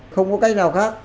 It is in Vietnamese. không có cách nào khác